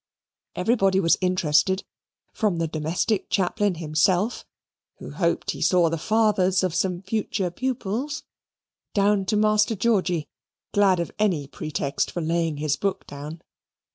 Everybody was interested, from the domestic chaplain himself, who hoped he saw the fathers of some future pupils, down to Master Georgy, glad of any pretext for laying his book down.